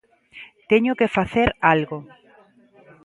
Teño que facer algo.